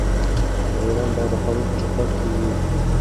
خبریالان باید د قانون په چوکاټ کې وي.